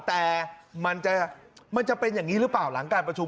แต่มันจะเป็นอย่างนี้หรือเปล่าหลังการประชุม